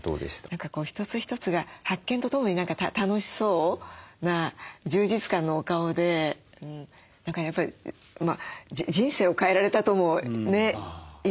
一つ一つが発見とともに楽しそうな充実感のお顔で何かやっぱり人生を変えられたともね言っていいと。